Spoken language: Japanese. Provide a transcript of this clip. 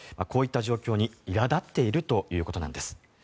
こういった状況に苛立っているということです。